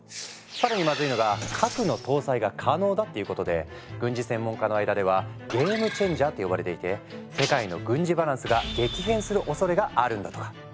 更にまずいのが核の搭載が可能だっていうことで軍事専門家の間では「ゲーム・チェンジャー」って呼ばれていて世界の軍事バランスが激変するおそれがあるんだとか。